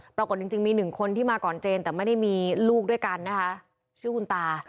ปรากฏจริงมี๑คนที่มาก่อนเจนแต่ไม่ได้มีลูกด้วยคุณตา